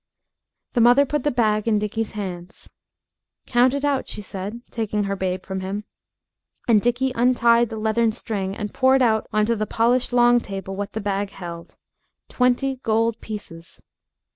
The mother put the bag in Dickie's hands. "Count it out," she said, taking her babe from him; and Dickie untied the leathern string, and poured out on to the polished long table what the bag held. Twenty gold pieces.